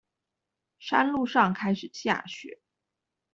山路上開始下雪